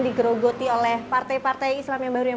digerogoti oleh partai partai islam yang baru yang